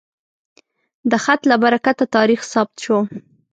د خط له برکته تاریخ ثبت شو.